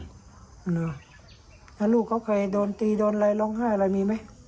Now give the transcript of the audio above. เหรอถ้าลูกเขาเคยโดนตีโดนอะไรร้องไห้อะไรมีไหม